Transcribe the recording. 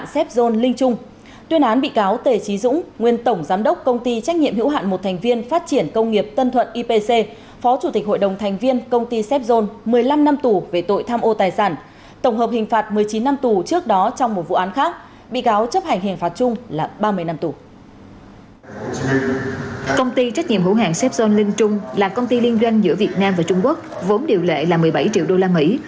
công ty trách nhiệm hiệu hạn sép dôn linh trung là công ty liên doanh giữa việt nam và trung quốc vốn điều lệ là một mươi bảy triệu đô la mỹ